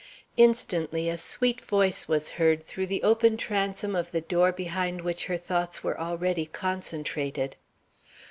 Instantly a sweet voice was heard through the open transom of the door behind which her thoughts were already concentrated.